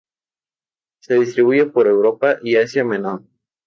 Se distribuye por Europa y Asia Menor.